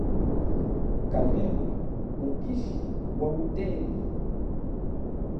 Kalelwa mukishi wa utenu.